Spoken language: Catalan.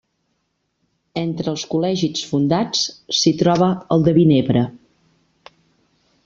Entre els col·legis fundats s'hi troba el de Vinebre.